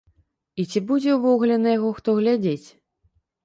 І ці будзе ўвогуле на яго хто глядзець?